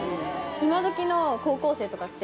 今どきの高校生とかって。